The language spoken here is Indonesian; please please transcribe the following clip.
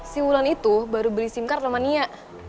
si bulan itu baru beli sim card sama nia